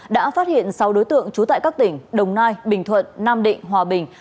đã phát hiện sáu đối tượng trú tại các tỉnh đồng nai bình thuận nam định hòa bình